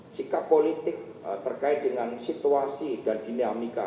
sikap politik terkait dengan situasi dan dinamika